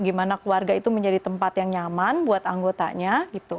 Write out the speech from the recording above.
gimana keluarga itu menjadi tempat yang nyaman buat anggotanya gitu